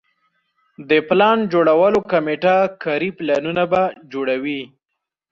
د پلان جوړولو کمیټه کاري پلانونه به جوړوي.